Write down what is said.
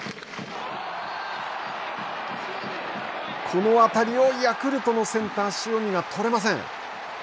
この当たりをヤクルトのセンター塩見が捕れません。